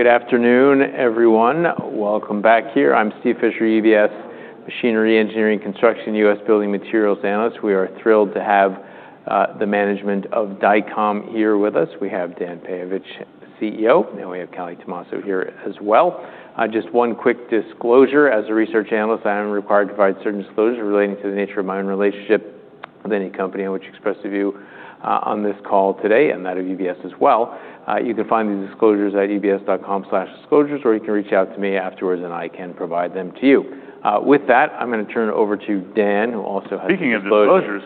Good afternoon, everyone. Welcome back here. I'm Steve Fisher, UBS Machinery Engineering Construction U.S. Building Materials Analyst. We are thrilled to have the management of Dycom here with us. We have Dan Peyovich, CEO, and we have Callie Tomasso here as well. Just one quick disclosure: as a research analyst, I am required to provide certain disclosures relating to the nature of my own relationship with any company in which I express a view on this call today and that of UBS as well. You can find these disclosures at ubs.com/disclosures, or you can reach out to me afterwards, and I can provide them to you. With that, I'm going to turn it over to Dan, who also has disclosures. Speaking of disclosures,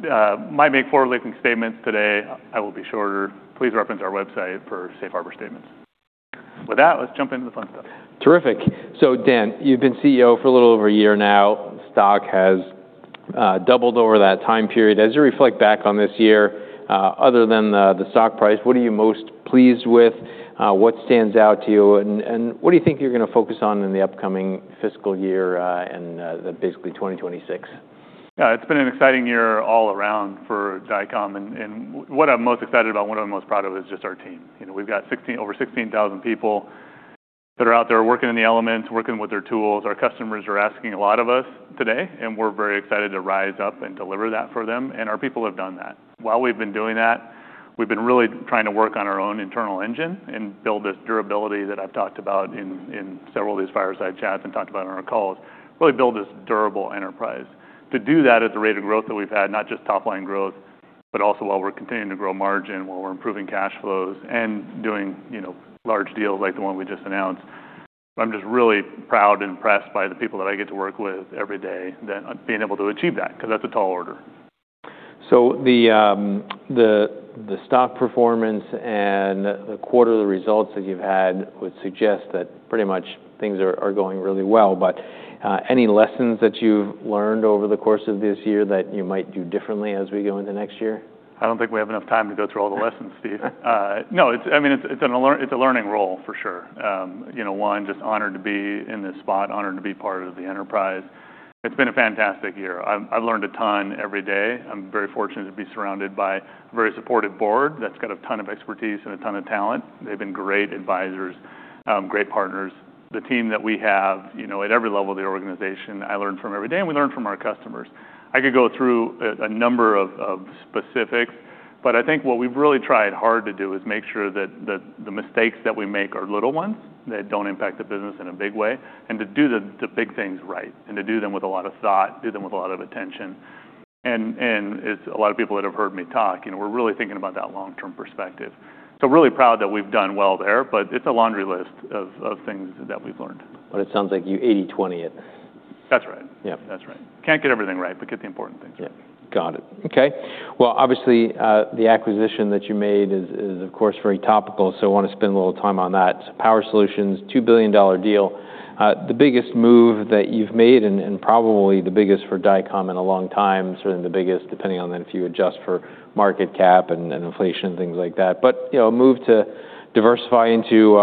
Steve, I might make four lengthy statements today. I will be shorter. Please reference our website for safe harbor statements. With that, let's jump into the fun stuff. Terrific, so Dan, you've been CEO for a little over a year now. The stock has doubled over that time period. As you reflect back on this year, other than the stock price, what are you most pleased with? What stands out to you, and what do you think you're going to focus on in the upcoming fiscal year and basically 2026? It's been an exciting year all around for Dycom, and what I'm most excited about, what I'm most proud of, is just our team. We've got over 16,000 people that are out there working in the elements, working with their tools. Our customers are asking a lot of us today, and we're very excited to rise up and deliver that for them, and our people have done that. While we've been doing that, we've been really trying to work on our own internal engine and build this durability that I've talked about in several of these fireside chats and talked about on our calls, really build this durable enterprise. To do that at the rate of growth that we've had, not just top-line growth, but also while we're continuing to grow margin, while we're improving cash flows, and doing large deals like the one we just announced, I'm just really proud and impressed by the people that I get to work with every day being able to achieve that, because that's a tall order. So the stock performance and the quarterly results that you've had would suggest that pretty much things are going really well. But any lessons that you've learned over the course of this year that you might do differently as we go into next year? I don't think we have enough time to go through all the lessons, Steve. No, I mean, it's a learning role, for sure. One, just honored to be in this spot, honored to be part of the enterprise. It's been a fantastic year. I've learned a ton every day. I'm very fortunate to be surrounded by a very supportive board that's got a ton of expertise and a ton of talent. They've been great advisors, great partners. The team that we have at every level of the organization, I learn from every day, and we learn from our customers. I could go through a number of specifics, but I think what we've really tried hard to do is make sure that the mistakes that we make are little ones that don't impact the business in a big way, and to do the big things right, and to do them with a lot of thought, do them with a lot of attention. And a lot of people that have heard me talk, we're really thinking about that long-term perspective. So really proud that we've done well there, but it's a laundry list of things that we've learned. But it sounds like you 80/20 it. That's right. Yeah. That's right. Can't get everything right, but get the important things right. Got it. OK. Well, obviously, the acquisition that you made is, of course, very topical, so I want to spend a little time on that. Power Solutions, $2 billion deal. The biggest move that you've made, and probably the biggest for Dycom in a long time, certainly the biggest, depending on if you adjust for market cap and inflation and things like that. But a move to diversify into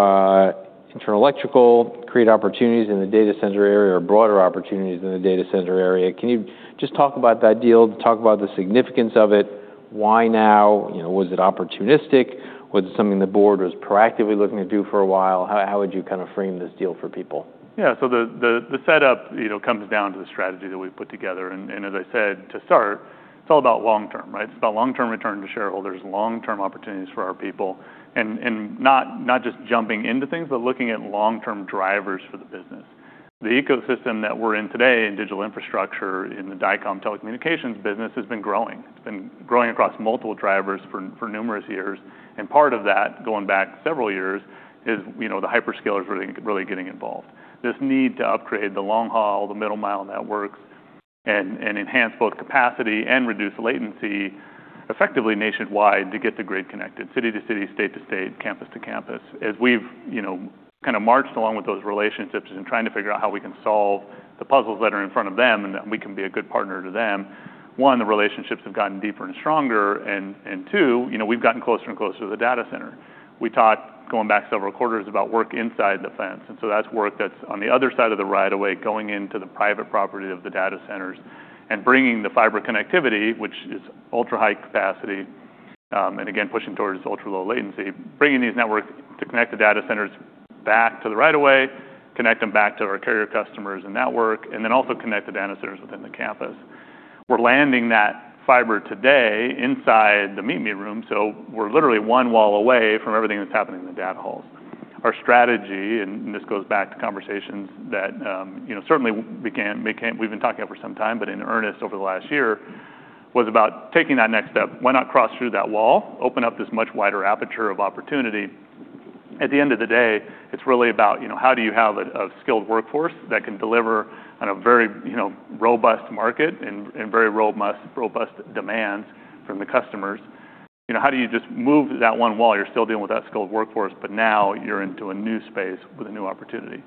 internal electrical, create opportunities in the data center area, or broader opportunities in the data center area. Can you just talk about that deal, talk about the significance of it? Why now? Was it opportunistic? Was it something the board was proactively looking to do for a while? How would you kind of frame this deal for people? Yeah, so the setup comes down to the strategy that we've put together. And as I said, to start, it's all about long term. It's about long-term return to shareholders, long-term opportunities for our people, and not just jumping into things, but looking at long-term drivers for the business. The ecosystem that we're in today in digital infrastructure in the Dycom telecommunications business has been growing. It's been growing across multiple drivers for numerous years. And part of that, going back several years, is the hyperscalers really getting involved. This need to upgrade the long-haul, the middle-mile networks, and enhance both capacity and reduce latency effectively nationwide to get to grid-connected, city to city, state to state, campus to campus. As we've kind of marched along with those relationships and trying to figure out how we can solve the puzzles that are in front of them and that we can be a good partner to them, one, the relationships have gotten deeper and stronger. And two, we've gotten closer and closer to the data center. We talked, going back several quarters, about work inside the fence. And so that's work that's on the other side of the right of way, going into the private property of the data centers and bringing the fiber connectivity, which is ultra-high capacity, and again, pushing towards ultra-low latency, bringing these networks to connect the data centers back to the right of way, connect them back to our carrier customers and network, and then also connect the data centers within the campus. We're landing that fiber today inside the meet-me room, so we're literally one wall away from everything that's happening in the data halls. Our strategy, and this goes back to conversations that certainly we've been talking about for some time, but in earnest over the last year, was about taking that next step. Why not cross through that wall, open up this much wider aperture of opportunity? At the end of the day, it's really about how do you have a skilled workforce that can deliver on a very robust market and very robust demands from the customers? How do you just move that one wall? You're still dealing with that skilled workforce, but now you're into a new space with a new opportunity.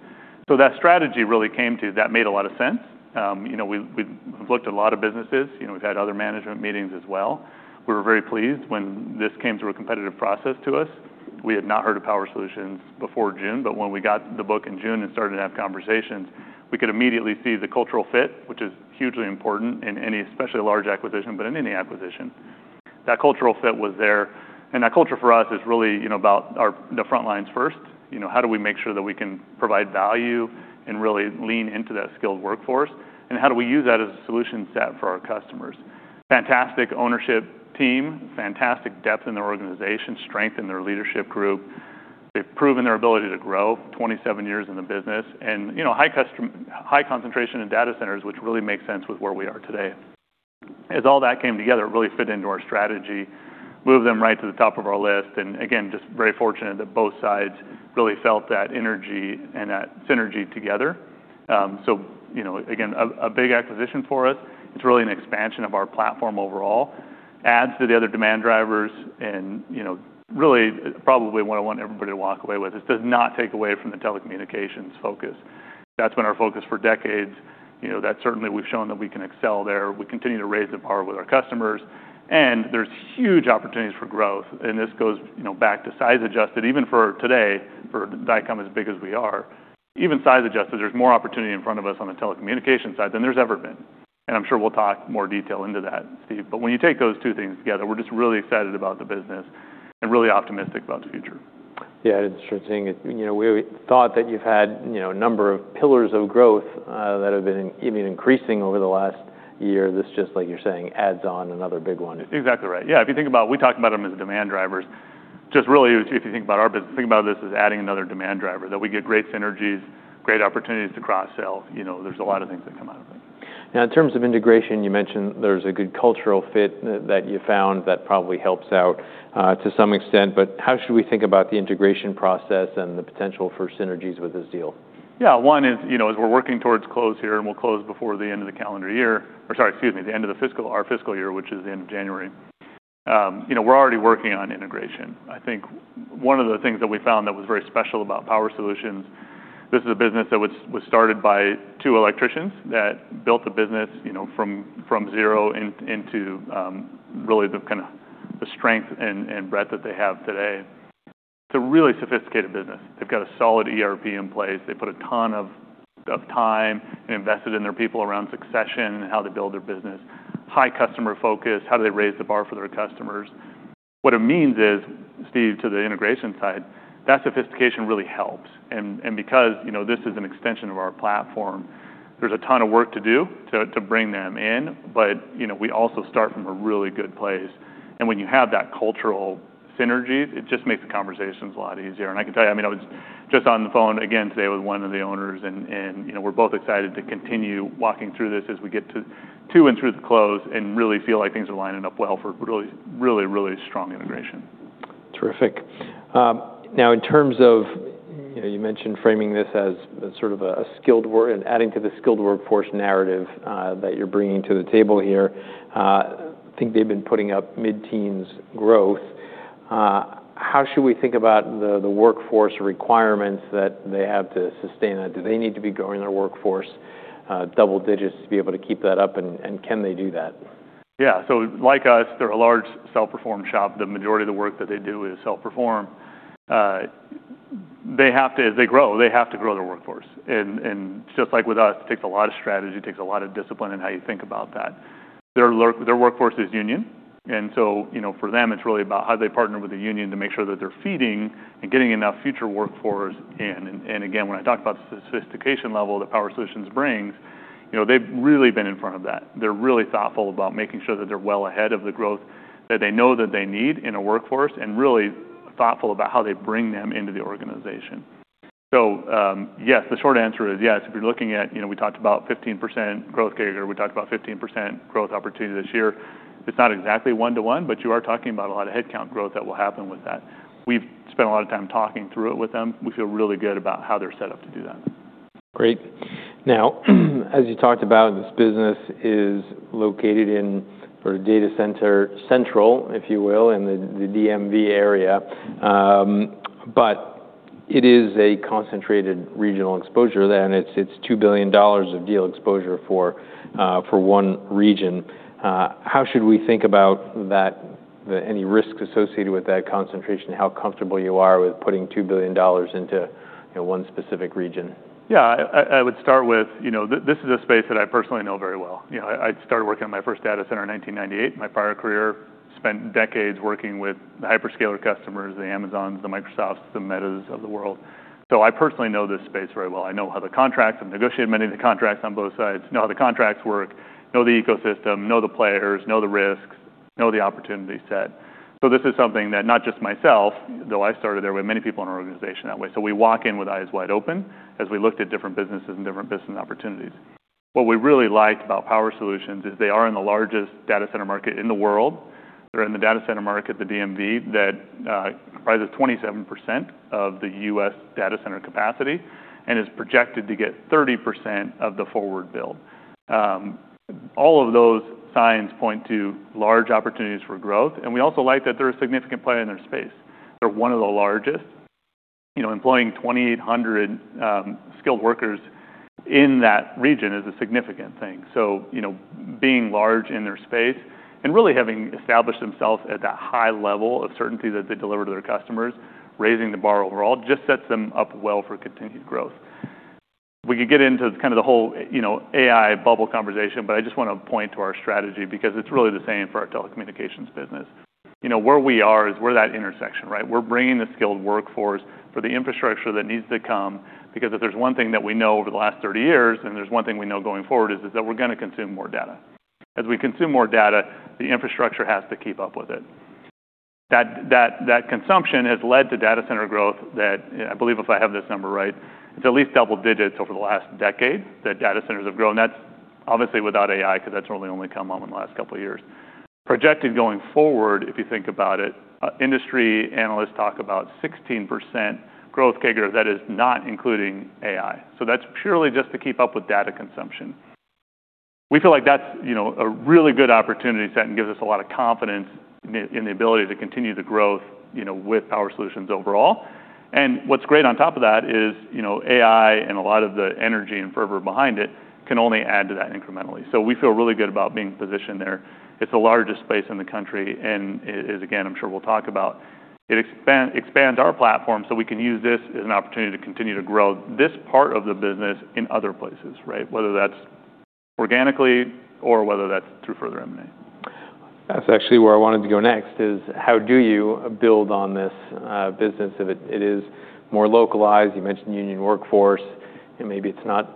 So that strategy really came to that, that made a lot of sense. We've looked at a lot of businesses. We've had other management meetings as well. We were very pleased when this came through a competitive process to us. We had not heard of Power Solutions before June, but when we got the book in June and started to have conversations, we could immediately see the cultural fit, which is hugely important in any, especially large acquisition, but in any acquisition. That cultural fit was there, and that culture for us is really about the front lines first. How do we make sure that we can provide value and really lean into that skilled workforce, and how do we use that as a solution set for our customers? Fantastic ownership team, fantastic depth in their organization, strength in their leadership group. They've proven their ability to grow 27 years in the business and high concentration in data centers, which really makes sense with where we are today. As all that came together, it really fit into our strategy, moved them right to the top of our list. And again, just very fortunate that both sides really felt that energy and that synergy together. So again, a big acquisition for us. It's really an expansion of our platform overall, adds to the other demand drivers, and really probably what I want everybody to walk away with is it does not take away from the telecommunications focus. That's been our focus for decades. That certainly we've shown that we can excel there. We continue to raise the bar with our customers. And there's huge opportunities for growth. And this goes back to size adjusted, even for today, for Dycom as big as we are, even size adjusted, there's more opportunity in front of us on the telecommunications side than there's ever been. I'm sure we'll talk more detail into that, Steve. When you take those two things together, we're just really excited about the business and really optimistic about the future. Yeah, it's interesting. We thought that you've had a number of pillars of growth that have been even increasing over the last year. This just, like you're saying, adds on another big one. Exactly right. Yeah, if you think about we talk about them as demand drivers. Just really, if you think about our business, think about this as adding another demand driver, that we get great synergies, great opportunities to cross-sell. There's a lot of things that come out of it. Now, in terms of integration, you mentioned there's a good cultural fit that you found that probably helps out to some extent. But how should we think about the integration process and the potential for synergies with this deal? Yeah, one is, as we're working towards close here, and we'll close before the end of the calendar year, or sorry, excuse me, the end of our fiscal year, which is the end of January, we're already working on integration. I think one of the things that we found that was very special about Power Solutions, this is a business that was started by two electricians that built the business from zero into really the kind of strength and breadth that they have today. It's a really sophisticated business. They've got a solid ERP in place. They put a ton of time and invested in their people around succession and how they build their business, high customer focus, how do they raise the bar for their customers. What it means is, Steve, to the integration side, that sophistication really helps. Because this is an extension of our platform, there's a ton of work to do to bring them in, but we also start from a really good place. When you have that cultural synergy, it just makes the conversations a lot easier. I can tell you, I mean, I was just on the phone again today with one of the owners, and we're both excited to continue walking through this as we get to and through the close and really feel like things are lining up well for really, really strong integration. Terrific. Now, in terms of you mentioned framing this as sort of a skilled work and adding to the skilled workforce narrative that you're bringing to the table here. I think they've been putting up mid-teens growth. How should we think about the workforce requirements that they have to sustain that? Do they need to be growing their workforce double digits to be able to keep that up, and can they do that? Yeah, so like us, they're a large self-perform shop. The majority of the work that they do is self-perform. As they grow, they have to grow their workforce, and just like with us, it takes a lot of strategy, takes a lot of discipline in how you think about that. Their workforce is union, and so for them, it's really about how do they partner with the union to make sure that they're feeding and getting enough future workforce, and again, when I talk about the sophistication level that Power Solutions brings, they've really been in front of that. They're really thoughtful about making sure that they're well ahead of the growth that they know that they need in a workforce and really thoughtful about how they bring them into the organization, so yes, the short answer is yes. If you're looking at we talked about 15% growth carrier, we talked about 15% growth opportunity this year. It's not exactly one to one, but you are talking about a lot of headcount growth that will happen with that. We've spent a lot of time talking through it with them. We feel really good about how they're set up to do that. Great. Now, as you talked about, this business is located in sort of data center central, if you will, in the DMV area. But it is a concentrated regional exposure, and it's $2 billion of deal exposure for one region. How should we think about any risks associated with that concentration, how comfortable you are with putting $2 billion into one specific region? Yeah, I would start with this is a space that I personally know very well. I started working on my first data center in 1998. My prior career spent decades working with the hyperscaler customers, the Amazons, the Microsofts, the [Metas] of the world. So I personally know this space very well. I know how the contracts I've negotiated many of the contracts on both sides, know how the contracts work, know the ecosystem, know the players, know the risks, know the opportunity set. So this is something that not just myself, though I started there with many people in our organization that way. So we walk in with eyes wide open as we looked at different businesses and different business opportunities. What we really liked about Power Solutions is they are in the largest data center market in the world. They're in the data center market, the DMV, that comprises 27% of the U.S. data center capacity and is projected to get 30% of the forward build. All of those signs point to large opportunities for growth. We also like that they're a significant player in their space. They're one of the largest. Employing 2,800 skilled workers in that region is a significant thing. Being large in their space and really having established themselves at that high level of certainty that they deliver to their customers, raising the bar overall just sets them up well for continued growth. We could get into kind of the whole AI bubble conversation, but I just want to point to our strategy because it's really the same for our telecommunications business. Where we are is we're that intersection. We're bringing the skilled workforce for the infrastructure that needs to come. Because if there's one thing that we know over the last 30 years, and there's one thing we know going forward, is that we're going to consume more data. As we consume more data, the infrastructure has to keep up with it. That consumption has led to data center growth that I believe, if I have this number right, it's at least double digits over the last decade that data centers have grown. That's obviously without AI because that's really only come up in the last couple of years. Projected going forward, if you think about it, industry analysts talk about 16% growth figure. That is not including AI. So that's purely just to keep up with data consumption. We feel like that's a really good opportunity set and gives us a lot of confidence in the ability to continue the growth with Power Solutions overall. And what's great on top of that is AI and a lot of the energy and fervor behind it can only add to that incrementally. So we feel really good about being positioned there. It's the largest space in the country. And it is, again, I'm sure we'll talk about. It expands our platform so we can use this as an opportunity to continue to grow this part of the business in other places, whether that's organically or whether that's through further M&A. That's actually where I wanted to go next is how do you build on this business if it is more localized? You mentioned union workforce. And maybe it's not so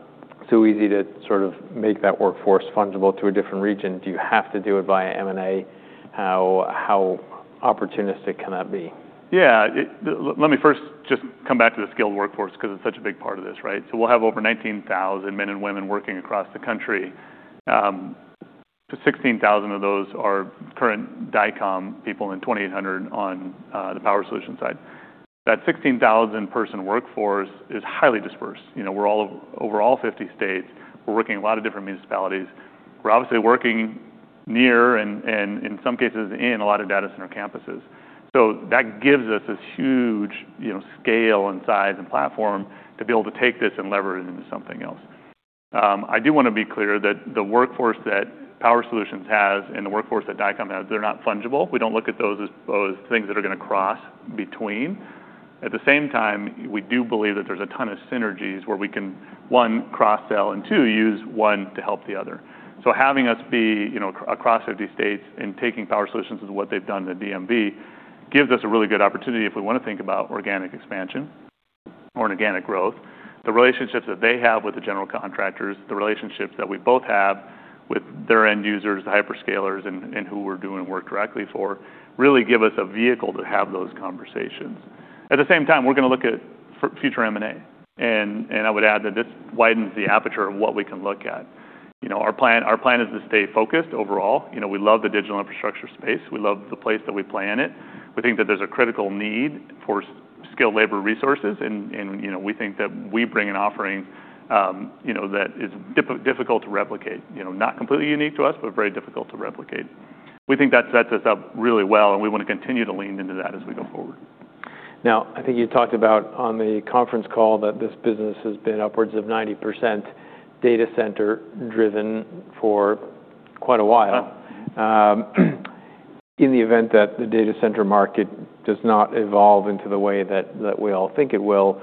easy to sort of make that workforce fungible to a different region. Do you have to do it via M&A? How opportunistic can that be? Yeah, let me first just come back to the skilled workforce because it's such a big part of this. So we'll have over 19,000 men and women working across the country. 16,000 of those are current Dycom people and 2,800 on the Power Solutions side. That 16,000-person workforce is highly dispersed. We're all over all 50 states. We're working in a lot of different municipalities. We're obviously working near and in some cases in a lot of data center campuses. So that gives us this huge scale and size and platform to be able to take this and lever it into something else. I do want to be clear that the workforce that Power Solutions has and the workforce that Dycom has, they're not fungible. We don't look at those as things that are going to cross between. At the same time, we do believe that there's a ton of synergies where we can, one, cross-sell and, two, use one to help the other, so having us be across 50 states and taking Power Solutions is what they've done in the DMV, gives us a really good opportunity if we want to think about organic expansion or organic growth. The relationships that they have with the general contractors, the relationships that we both have with their end users, the hyperscalers, and who we're doing work directly for really give us a vehicle to have those conversations. At the same time, we're going to look at future M&A, and I would add that this widens the aperture of what we can look at. Our plan is to stay focused overall. We love the digital infrastructure space. We love the place that we play in it. We think that there's a critical need for skilled labor resources. We think that we bring an offering that is difficult to replicate, not completely unique to us, but very difficult to replicate. We think that sets us up really well. We want to continue to lean into that as we go forward. Now, I think you talked about on the conference call that this business has been upwards of 90% data center driven for quite a while. In the event that the data center market does not evolve into the way that we all think it will,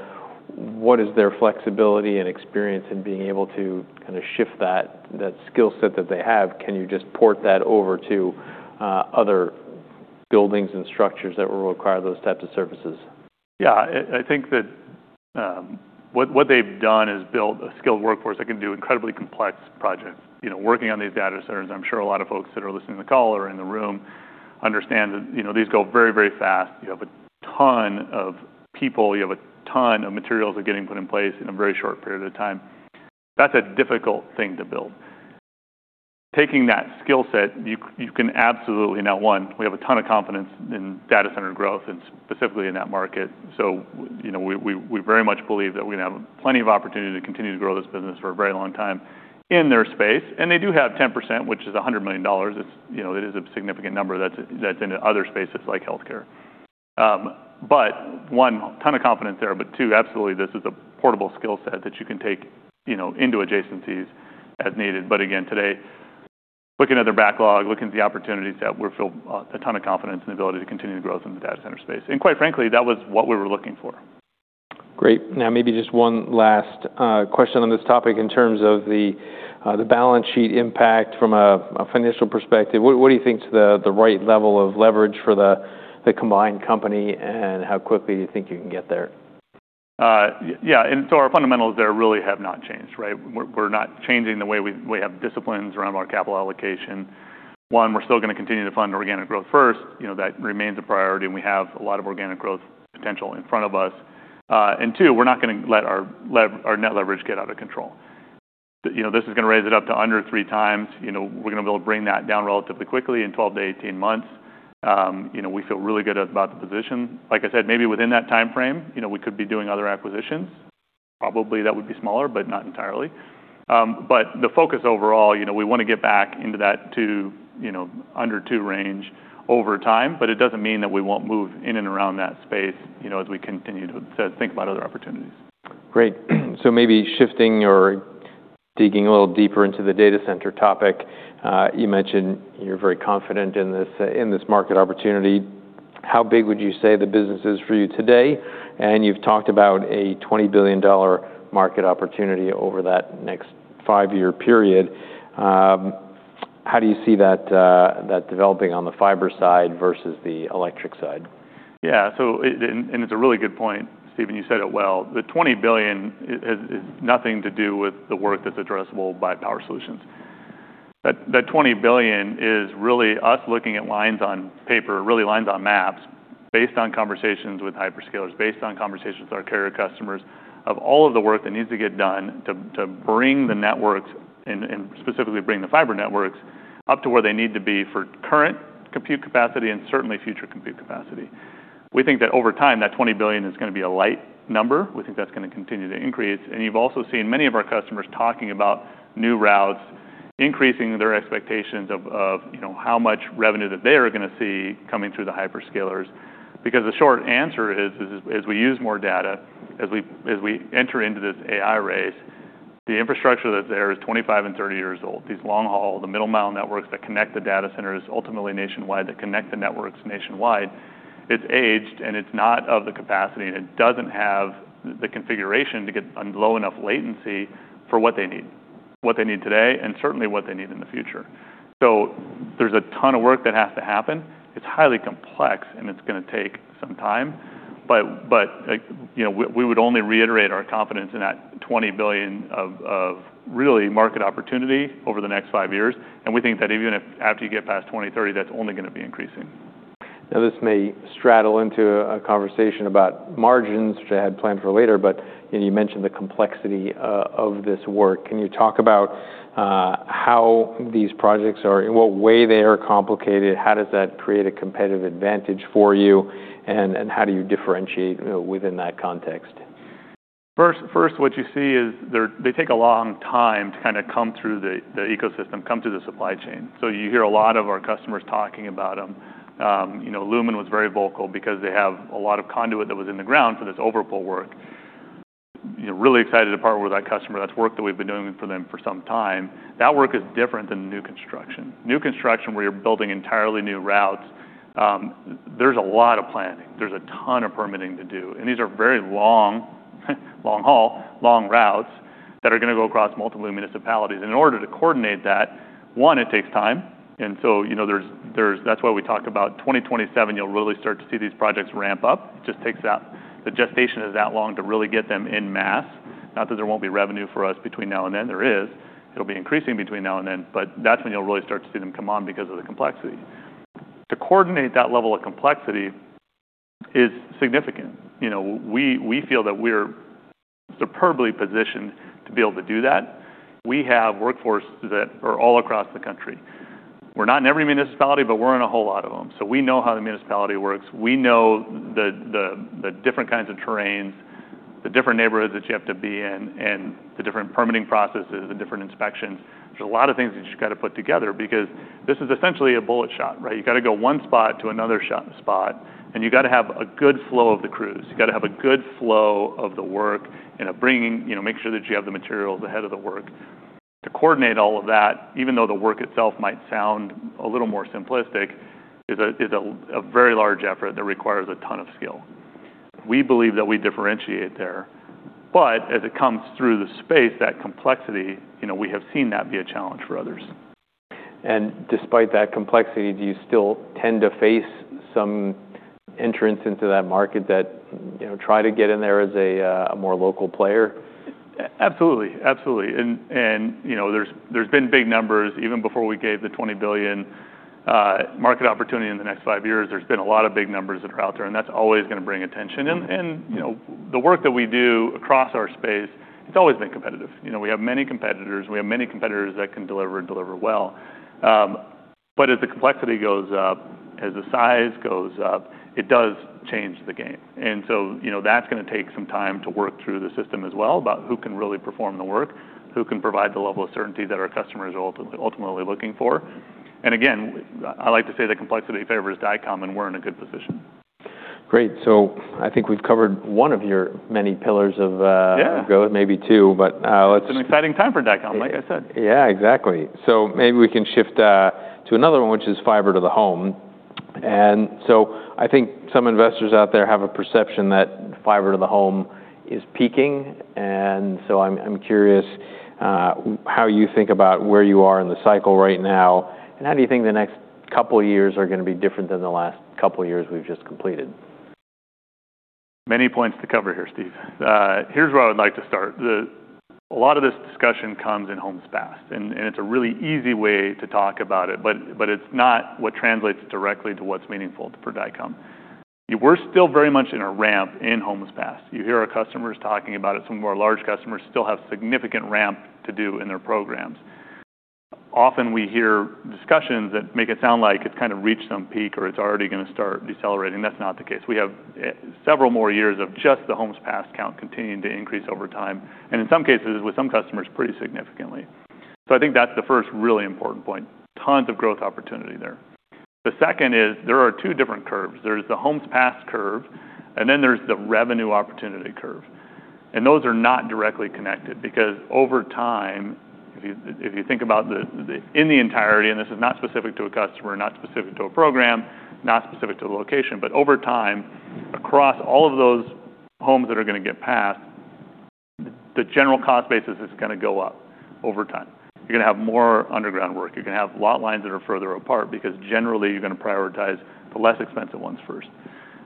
what is their flexibility and experience in being able to kind of shift that skill set that they have? Can you just port that over to other buildings and structures that will require those types of services? Yeah, I think that what they've done is build a skilled workforce that can do incredibly complex projects. Working on these data centers, I'm sure a lot of folks that are listening to the call or in the room understand that these go very, very fast. You have a ton of people. You have a ton of materials that are getting put in place in a very short period of time. That's a difficult thing to build. Taking that skill set, you can absolutely now, one, we have a ton of confidence in data center growth and specifically in that market. So we very much believe that we're going to have plenty of opportunity to continue to grow this business for a very long time in their space. And they do have 10%, which is $100 million. It is a significant number that's in other spaces like healthcare. But one, a ton of confidence there. But two, absolutely, this is a portable skill set that you can take into adjacencies as needed. But again, today, looking at their backlog, looking at the opportunities that we feel a ton of confidence in the ability to continue to grow from the data center space. And quite frankly, that was what we were looking for. Great. Now, maybe just one last question on this topic in terms of the balance sheet impact from a financial perspective. What do you think's the right level of leverage for the combined company and how quickly do you think you can get there? Yeah, and so our fundamentals there really have not changed. We're not changing the way we have disciplines around our capital allocation. One, we're still going to continue to fund organic growth first. That remains a priority. And we have a lot of organic growth potential in front of us. And two, we're not going to let our net leverage get out of control. This is going to raise it up to under three times. We're going to be able to bring that down relatively quickly in 12 to 18 months. We feel really good about the position. Like I said, maybe within that time frame, we could be doing other acquisitions. Probably that would be smaller, but not entirely. But the focus overall, we want to get back into that under two range over time. But it doesn't mean that we won't move in and around that space as we continue to think about other opportunities. Great. So maybe shifting or digging a little deeper into the data center topic, you mentioned you're very confident in this market opportunity. How big would you say the business is for you today? And you've talked about a $20 billion market opportunity over that next five-year period. How do you see that developing on the fiber side versus the electric side? Yeah, and it's a really good point. Steven, you said it well. The $20 billion has nothing to do with the work that's addressable by Power Solutions. That $20 billion is really us looking at lines on paper, really lines on maps based on conversations with hyperscalers, based on conversations with our carrier customers of all of the work that needs to get done to bring the networks and specifically bring the fiber networks up to where they need to be for current compute capacity and certainly future compute capacity. We think that over time, that $20 billion is going to be a light number. We think that's going to continue to increase. And you've also seen many of our customers talking about new routes, increasing their expectations of how much revenue that they are going to see coming through the hyperscalers. Because the short answer is, as we use more data, as we enter into this AI race, the infrastructure that's there is 25 and 30 years old. These long-haul, the middle-mile networks that connect the data centers ultimately nationwide that connect the networks nationwide, it's aged and it's not of the capacity and it doesn't have the configuration to get low enough latency for what they need, what they need today and certainly what they need in the future. So there's a ton of work that has to happen. It's highly complex and it's going to take some time. But we would only reiterate our confidence in that $20 billion of real market opportunity over the next five years. And we think that even after you get past 2030, that's only going to be increasing. Now, this may straddle into a conversation about margins, which I had planned for later. But you mentioned the complexity of this work. Can you talk about how these projects are, in what way they are complicated? How does that create a competitive advantage for you? And how do you differentiate within that context? First, what you see is they take a long time to kind of come through the ecosystem, come through the supply chain. So you hear a lot of our customers talking about them. Lumen was very vocal because they have a lot of conduit that was in the ground for this overpull work. Really excited to partner with that customer. That's work that we've been doing for them for some time. That work is different than new construction. New construction where you're building entirely new routes, there's a lot of planning. There's a ton of permitting to do, and these are very long haul, long routes that are going to go across multiple municipalities, and in order to coordinate that, one, it takes time. So that's why we talk about 2027; you'll really start to see these projects ramp up. It just takes that. The gestation is that long to really get them en masse. Not that there won't be revenue for us between now and then. There is. It'll be increasing between now and then. But that's when you'll really start to see them come on because of the complexity. To coordinate that level of complexity is significant. We feel that we're superbly positioned to be able to do that. We have workforce that are all across the country. We're not in every municipality, but we're in a whole lot of them. So we know how the municipality works. We know the different kinds of terrains, the different neighborhoods that you have to be in, and the different permitting processes and different inspections. There's a lot of things that you've got to put together because this is essentially a bullet shot. You've got to go one spot to another spot. You've got to have a good flow of the crews. You've got to have a good flow of the work and make sure that you have the materials ahead of the work. To coordinate all of that, even though the work itself might sound a little more simplistic, is a very large effort that requires a ton of skill. We believe that we differentiate there. But as it comes through the space, that complexity, we have seen that be a challenge for others. Despite that complexity, do you still tend to face some entrance into that market that try to get in there as a more local player? Absolutely. Absolutely. And there's been big numbers even before we gave the $20 billion market opportunity in the next five years. There's been a lot of big numbers that are out there. And that's always going to bring attention. And the work that we do across our space, it's always been competitive. We have many competitors. We have many competitors that can deliver and deliver well. But as the complexity goes up, as the size goes up, it does change the game. And so that's going to take some time to work through the system as well about who can really perform the work, who can provide the level of certainty that our customers are ultimately looking for. And again, I like to say that complexity favors Dycom. And we're in a good position. Great. So I think we've covered one of your many pillars of growth, maybe two. But it's an exciting time for Dycom, like I said. Yeah, exactly. So maybe we can shift to another one, which is fiber to the home. And so I think some investors out there have a perception that fiber to the home is peaking. And so I'm curious how you think about where you are in the cycle right now. And how do you think the next couple of years are going to be different than the last couple of years we've just completed? Many points to cover here, Steve. Here's where I would like to start. A lot of this discussion comes in homes passed. And it's a really easy way to talk about it. But it's not what translates directly to what's meaningful for Dycom. We're still very much in a ramp in homes passed. You hear our customers talking about it. Some of our large customers still have significant ramp to do in their programs. Often we hear discussions that make it sound like it's kind of reached some peak or it's already going to start decelerating. That's not the case. We have several more years of just the homes passed count continuing to increase over time, and in some cases, with some customers, pretty significantly. So I think that's the first really important point. Tons of growth opportunity there. The second is there are two different curves. There is the homes passed curve, and then there's the revenue opportunity curve, and those are not directly connected because over time, if you think about in the entirety, and this is not specific to a customer, not specific to a program, not specific to the location, but over time, across all of those homes that are going to get passed, the general cost basis is going to go up over time. You're going to have more underground work. You're going to have lot lines that are further apart because generally you're going to prioritize the less expensive ones first.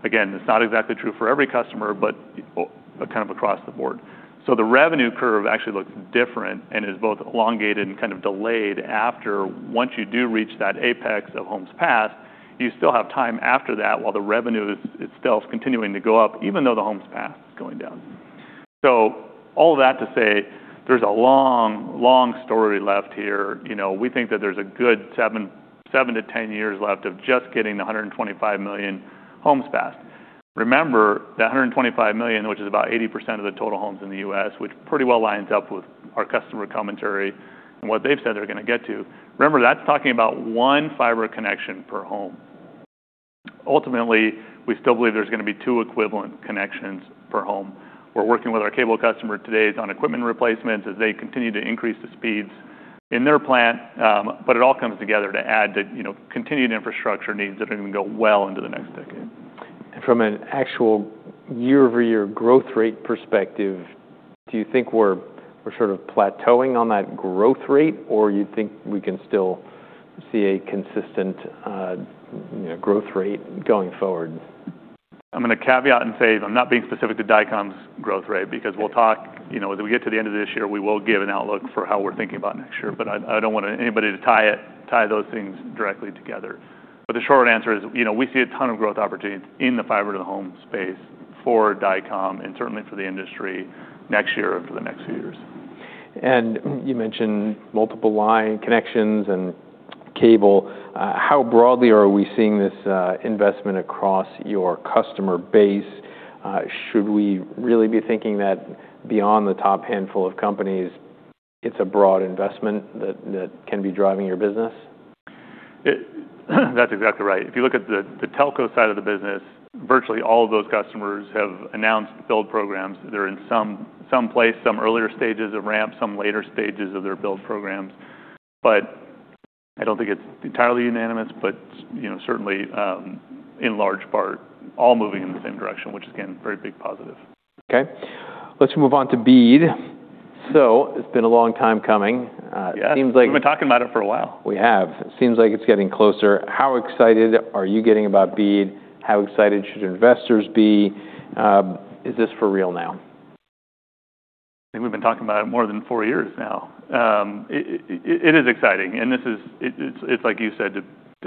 Again, it's not exactly true for every customer, but kind of across the board. So the revenue curve actually looks different and is both elongated and kind of delayed after once you do reach that apex of homes passed. You still have time after that while the revenue is still continuing to go up, even though the homes passed is going down. So all of that to say, there's a long, long story left here. We think that there's a good seven to 10 years left of just getting the $125 million homes passed. Remember that $125 million, which is about 80% of the total homes in the U.S., which pretty well lines up with our customer commentary and what they've said they're going to get to. Remember, that's talking about one fiber connection per home. Ultimately, we still believe there's going to be two equivalent connections per home. We're working with our cable customer today on equipment replacements as they continue to increase the speeds in their plant. But it all comes together to add to continued infrastructure needs that are going to go well into the next decade. From an actual year-over-year growth rate perspective, do you think we're sort of plateauing on that growth rate? Or you think we can still see a consistent growth rate going forward? I'm going to caveat and say I'm not being specific to Dycom's growth rate because we'll talk as we get to the end of this year. We will give an outlook for how we're thinking about next year. But I don't want anybody to tie those things directly together. But the short answer is we see a ton of growth opportunity in the fiber to the home space for Dycom and certainly for the industry next year and for the next few years. You mentioned multiple line connections and cable. How broadly are we seeing this investment across your customer base? Should we really be thinking that beyond the top handful of companies, it's a broad investment that can be driving your business? That's exactly right. If you look at the telco side of the business, virtually all of those customers have announced build programs. They're in some place, some earlier stages of ramp, some later stages of their build programs. But I don't think it's entirely unanimous, but certainly in large part all moving in the same direction, which is again, very big positive. Okay. Let's move on to BEAD. So it's been a long time coming. It seems like. We've been talking about it for a while. We have. It seems like it's getting closer. How excited are you getting about BEAD? How excited should investors be? Is this for real now? I think we've been talking about it more than four years now. It is exciting. It's like you said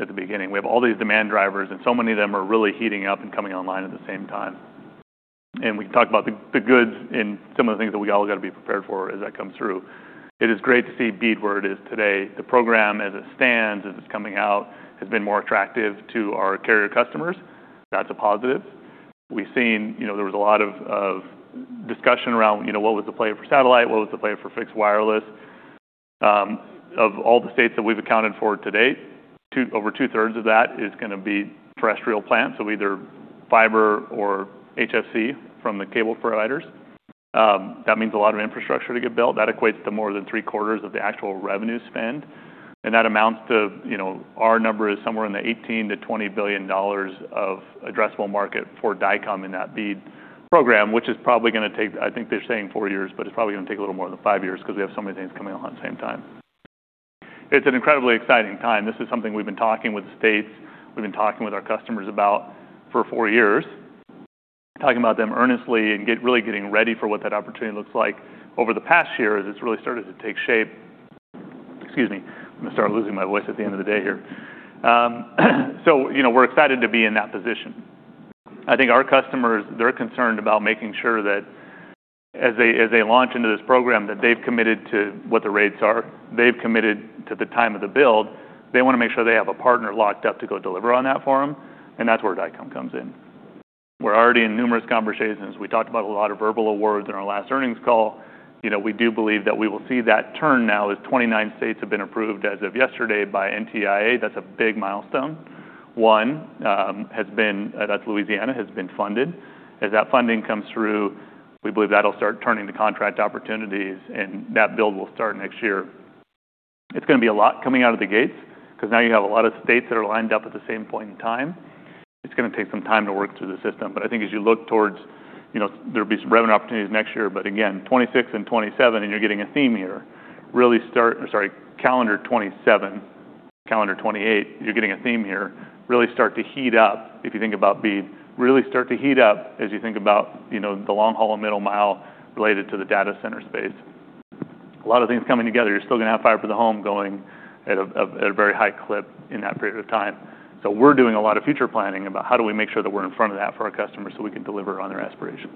at the beginning. We have all these demand drivers. So many of them are really heating up and coming online at the same time. We can talk about the goods and some of the things that we all got to be prepared for as that comes through. It is great to see BEAD where it is today. The program as it stands, as it's coming out, has been more attractive to our carrier customers. That's a positive. We've seen there was a lot of discussion around what was the play for satellite, what was the play for fixed wireless. Of all the states that we've accounted for to date, over two-thirds of that is going to be terrestrial plants, so either fiber or HFC from the cable providers. That means a lot of infrastructure to get built. That equates to more than three-quarters of the actual revenue spend. And that amounts to our number is somewhere in the $18-$20 billion of addressable market for Dycom in that BEAD program, which is probably going to take, I think they're saying four years, but it's probably going to take a little more than five years because we have so many things coming on at the same time. It's an incredibly exciting time. This is something we've been talking with the states. We've been talking with our customers about for four years, talking about them earnestly and really getting ready for what that opportunity looks like. Over the past year, it's really started to take shape. Excuse me. I'm going to start losing my voice at the end of the day here. So we're excited to be in that position. I think our customers, they're concerned about making sure that as they launch into this program, that they've committed to what the rates are. They've committed to the time of the build. They want to make sure they have a partner locked up to go deliver on that for them. And that's where Dycom comes in. We're already in numerous conversations. We talked about a lot of verbal awards in our last earnings call. We do believe that we will see that turn now as 29 states have been approved as of yesterday by NTIA. That's a big milestone. One has been, that's Louisiana, has been funded. As that funding comes through, we believe that'll start turning the contract opportunities and that build will start next year. It's going to be a lot coming out of the gates because now you have a lot of states that are lined up at the same point in time. It's going to take some time to work through the system. But I think as you look towards there'll be some revenue opportunities next year. But again, 2026 and 2027, and you're getting a theme here. Really start, sorry, calendar 2027, calendar 2028, you're getting a theme here. Really start to heat up if you think about BEAD. Really start to heat up as you think about the long haul and middle mile related to the data center space. A lot of things coming together. You're still going to have fiber to the home going at a very high clip in that period of time. So we're doing a lot of future planning about how do we make sure that we're in front of that for our customers so we can deliver on their aspirations.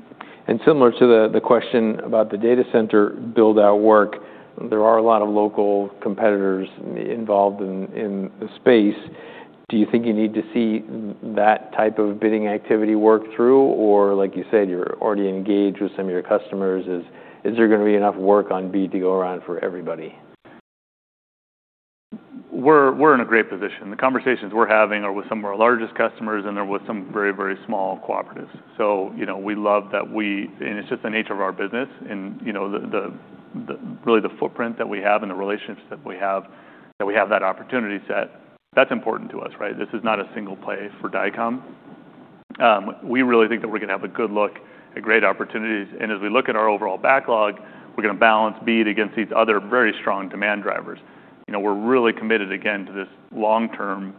Similar to the question about the data center build-out work, there are a lot of local competitors involved in the space. Do you think you need to see that type of bidding activity work through? Or like you said, you're already engaged with some of your customers. Is there going to be enough work on BEAD to go around for everybody? We're in a great position. The conversations we're having are with some of our largest customers and they're with some very, very small cooperatives. So we love that we, and it's just the nature of our business and really the footprint that we have and the relationships that we have, that we have that opportunity set. That's important to us, right? This is not a single play for Dycom. We really think that we're going to have a good look at great opportunities. And as we look at our overall backlog, we're going to balance BEAD against these other very strong demand drivers. We're really committed again to this long-term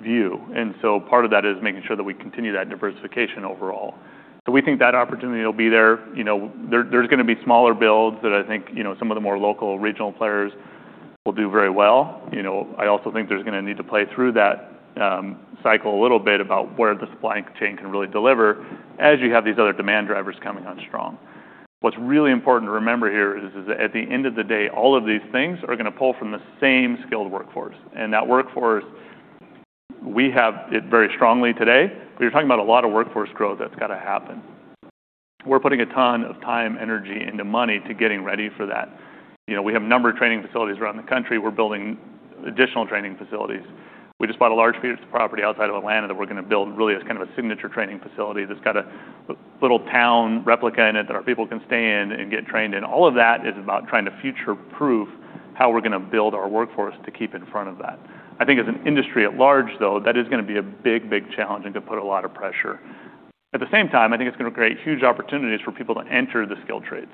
view. And so part of that is making sure that we continue that diversification overall. So we think that opportunity will be there. There's going to be smaller builds that I think some of the more local regional players will do very well. I also think there's going to need to play through that cycle a little bit about where the supply chain can really deliver as you have these other demand drivers coming on strong. What's really important to remember here is that at the end of the day, all of these things are going to pull from the same skilled workforce. And that workforce, we have it very strongly today. But you're talking about a lot of workforce growth that's got to happen. We're putting a ton of time, energy, and money to getting ready for that. We have a number of training facilities around the country. We're building additional training facilities. We just bought a large piece of property outside of Atlanta that we're going to build really as kind of a signature training facility that's got a little town replica in it that our people can stay in and get trained in. All of that is about trying to future-proof how we're going to build our workforce to keep in front of that. I think as an industry at large, though, that is going to be a big, big challenge and could put a lot of pressure. At the same time, I think it's going to create huge opportunities for people to enter the skilled trades.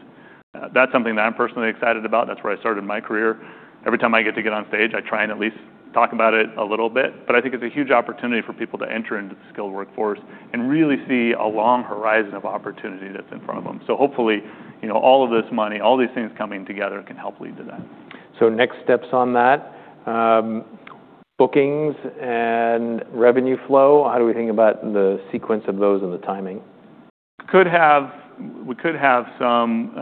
That's something that I'm personally excited about. That's where I started my career. Every time I get to get on stage, I try and at least talk about it a little bit. But I think it's a huge opportunity for people to enter into the skilled workforce and really see a long horizon of opportunity that's in front of them. So hopefully, all of this money, all these things coming together can help lead to that. Next steps on that, bookings and revenue flow. How do we think about the sequence of those and the timing? We could have some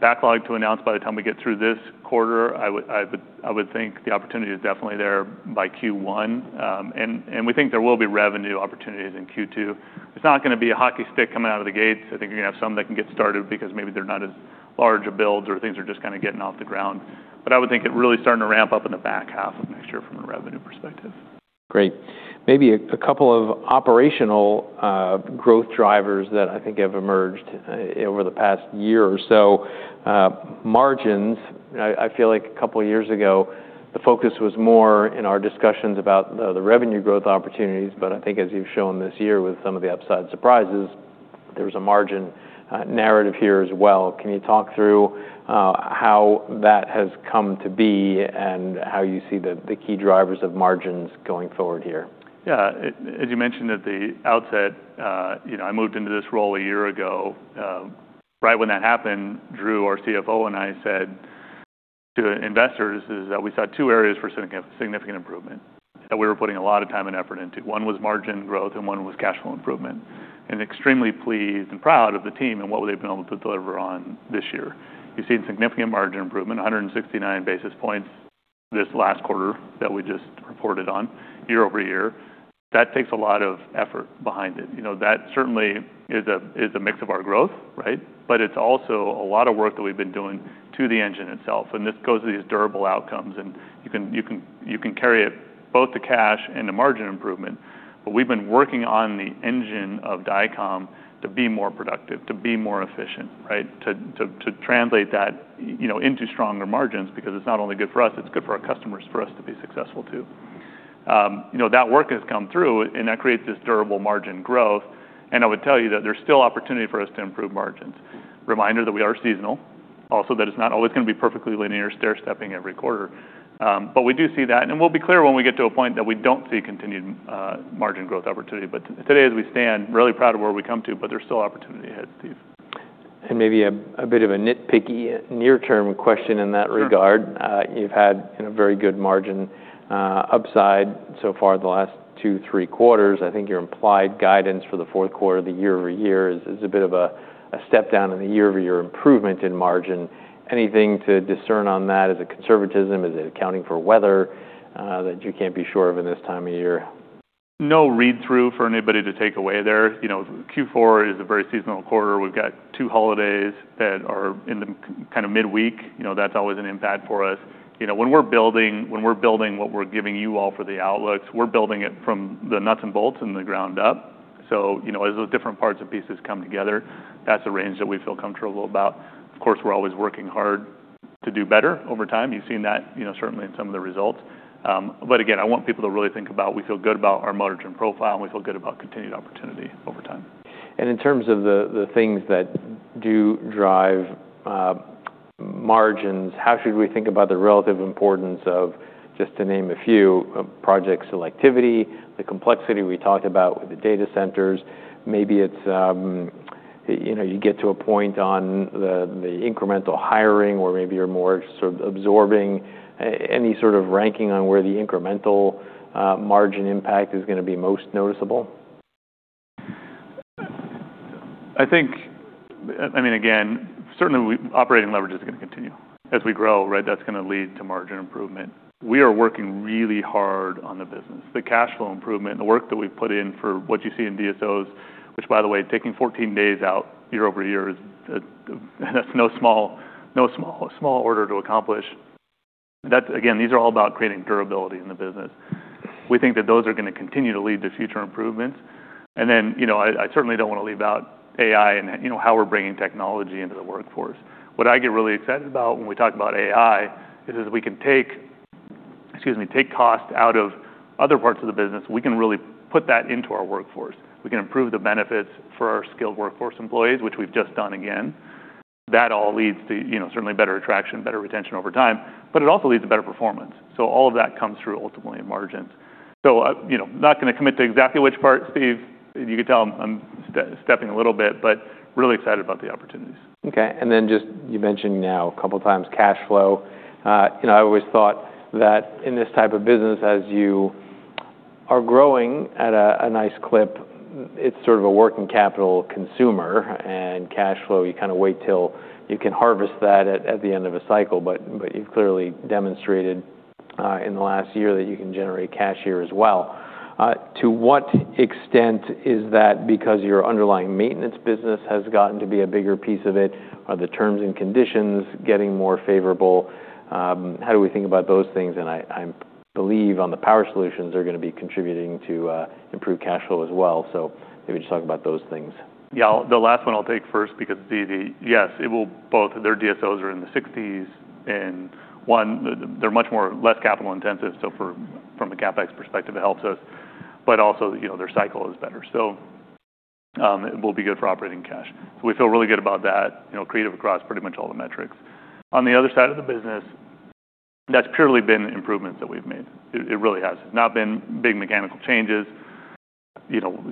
backlog to announce by the time we get through this quarter. I would think the opportunity is definitely there by Q1, and we think there will be revenue opportunities in Q2. It's not going to be a hockey stick coming out of the gates. I think you're going to have some that can get started because maybe they're not as large of builds or things are just kind of getting off the ground, but I would think it really starting to ramp up in the back half of next year from a revenue perspective. Great. Maybe a couple of operational growth drivers that I think have emerged over the past year or so. Margins, I feel like a couple of years ago, the focus was more in our discussions about the revenue growth opportunities. But I think as you've shown this year with some of the upside surprises, there's a margin narrative here as well. Can you talk through how that has come to be and how you see the key drivers of margins going forward here? Yeah. As you mentioned at the outset, I moved into this role a year ago. Right when that happened, Drew, our CFO, and I said to investors that we saw two areas for significant improvement that we were putting a lot of time and effort into. One was margin growth and one was cash flow improvement. And extremely pleased and proud of the team and what they've been able to deliver on this year. You've seen significant margin improvement, 169 basis points this last quarter that we just reported on year-over-year. That takes a lot of effort behind it. That certainly is a mix of our growth, right? But it's also a lot of work that we've been doing to the engine itself. And this goes to these durable outcomes. And you can carry it both to cash and to margin improvement. But we've been working on the engine of Dycom to be more productive, to be more efficient, right? To translate that into stronger margins because it's not only good for us, it's good for our customers for us to be successful too. That work has come through and that creates this durable margin growth. And I would tell you that there's still opportunity for us to improve margins. Reminder that we are seasonal. Also that it's not always going to be perfectly linear stair stepping every quarter. But we do see that. And we'll be clear when we get to a point that we don't see continued margin growth opportunity. But today, as we stand, really proud of where we come to, but there's still opportunity ahead, Steve. And maybe a bit of a nitpicky near-term question in that regard. You've had a very good margin upside so far the last two, three quarters. I think your implied guidance for the fourth quarter of the year-over-year is a bit of a step down in the year-over-year improvement in margin. Anything to discern on that? Is it conservatism? Is it accounting for weather that you can't be sure of in this time of year? No read-through for anybody to take away there. Q4 is a very seasonal quarter. We've got two holidays that are in the kind of midweek. That's always an impact for us. When we're building what we're giving you all for the outlooks, we're building it from the nuts and bolts and the ground up. So as those different parts and pieces come together, that's a range that we feel comfortable about. Of course, we're always working hard to do better over time. You've seen that certainly in some of the results. But again, I want people to really think about we feel good about our margin profile and we feel good about continued opportunity over time. And in terms of the things that do drive margins, how should we think about the relative importance of, just to name a few, project selectivity, the complexity we talked about with the data centers? Maybe you get to a point on the incremental hiring where maybe you're more sort of absorbing. Any sort of ranking on where the incremental margin impact is going to be most noticeable? I think, I mean, again, certainly operating leverage is going to continue. As we grow, right, that's going to lead to margin improvement. We are working really hard on the business. The cash flow improvement and the work that we've put in for what you see in DSOs, which, by the way, taking 14 days out year-over-year, that's no small order to accomplish. Again, these are all about creating durability in the business. We think that those are going to continue to lead to future improvements. And then I certainly don't want to leave out AI and how we're bringing technology into the workforce. What I get really excited about when we talk about AI is we can take cost out of other parts of the business. We can really put that into our workforce. We can improve the benefits for our skilled workforce employees, which we've just done again. That all leads to certainly better attraction, better retention over time. But it also leads to better performance. So all of that comes through ultimately in margins. So I'm not going to commit to exactly which part, Steve. You can tell I'm stepping a little bit, but really excited about the opportunities. Okay. And then just you mentioned now a couple of times cash flow. I always thought that in this type of business, as you are growing at a nice clip, it's sort of a working capital consumer. And cash flow, you kind of wait till you can harvest that at the end of a cycle. But you've clearly demonstrated in the last year that you can generate cash here as well. To what extent is that because your underlying maintenance business has gotten to be a bigger piece of it? Are the terms and conditions getting more favorable? How do we think about those things? And I believe on the Power Solutions are going to be contributing to improve cash flow as well. So maybe just talk about those things. Yeah. The last one I'll take first because, yes, both their DSOs are in the 60s and one, they're much less capital intensive, so from a CapEx perspective, it helps us, but also their cycle is better, so it will be good for operating cash, so we feel really good about that, great across pretty much all the metrics. On the other side of the business, that's purely been improvements that we've made. It really has. It's not been big mechanical changes.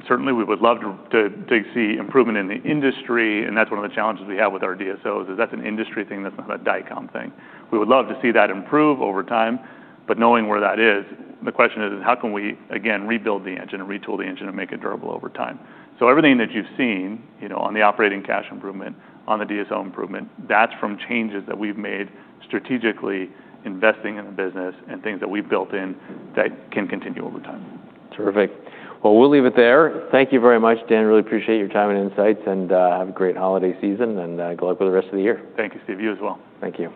Certainly, we would love to see improvement in the industry, and that's one of the challenges we have with our DSOs is that's an industry thing. That's not a Dycom thing. We would love to see that improve over time, but knowing where that is, the question is, how can we again rebuild the engine and retool the engine and make it durable over time? So everything that you've seen on the operating cash improvement, on the DSO improvement, that's from changes that we've made strategically investing in the business and things that we've built in that can continue over time. Terrific. Well, we'll leave it there. Thank you very much, Dan. Really appreciate your time and insights. And have a great holiday season and good luck with the rest of the year. Thank you, Steve. You as well. Thank you.